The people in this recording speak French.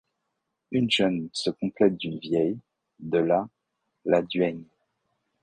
Une jeune se complète d’une vieille ; de là, la duègne.